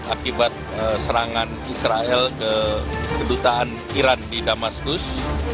akibat serangan israel ke kedutaan iran di damaskus